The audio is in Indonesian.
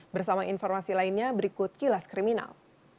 bersama informasi lainnya berikut kilas kriminal